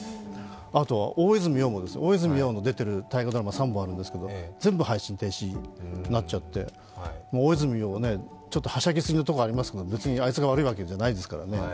あと、大泉洋もです、大泉洋が出ている大河ドラマ３本あるんですけれども全部配信停止になっちゃって大泉洋、ちょっとはしゃぎすぎなところありますけど別にあいつが悪いわけじゃないですからね。